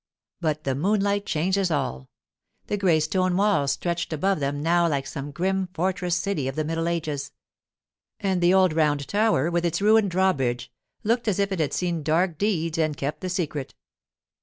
But the moonlight changes all. The grey stone walls stretched above them now like some grim fortress city of the middle ages. And the old round tower, with its ruined drawbridge, looked as if it had seen dark deeds and kept the secret.